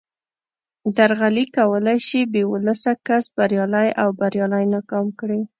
درغلي کولای شي بې ولسه کس بریالی او بریالی ناکام کړي